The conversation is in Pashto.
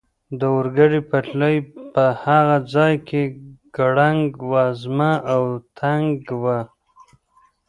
د اورګاډي پټلۍ په هغه ځای کې ګړنګ وزمه او تنګه وه.